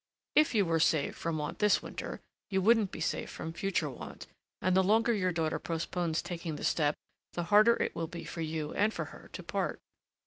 If you were saved from want for this winter, you wouldn't be safe from future want, and the longer your daughter postpones taking the step, the harder it will be for you and for her to part.